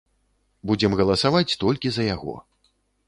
Будзем галасаваць толькі за яго.